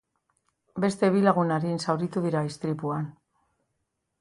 Beste bi lagun arin zauritu dira istripuan.